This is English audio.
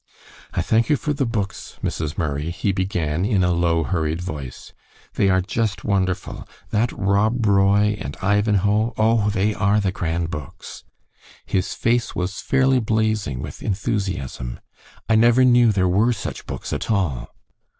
"I thank you for the books, Mrs. Murray," he began, in a low, hurried voice. "They are just wonderful. That Rob Roy and Ivanhoe, oh! they are the grand books." His face was fairly blazing with enthusiasm. "I never knew there were such books at all."